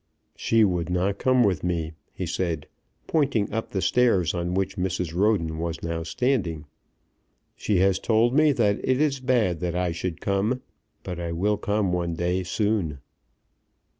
"She would not come with me," he said, pointing up the stairs on which Mrs. Roden was now standing. "She has told me that it is bad that I should come; but I will come one day soon."